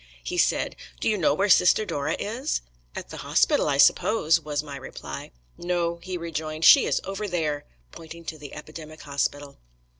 He said, 'Do you know where Sister Dora is?' 'At the hospital I suppose,' was my reply. 'No,' he rejoined, 'she is over there!' pointing to the epidemic hospital....